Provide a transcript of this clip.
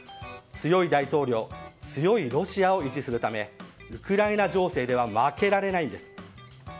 強い大統領強いロシアを維持するためウクライナ情勢では負けられないんです。